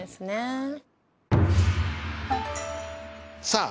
さあ